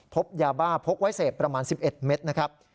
พบยาบ้าพกไว้เสพประมาณ๑๑เมตร